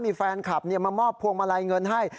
มีแฟนคลับมามอบพวงมาลัยเงินให้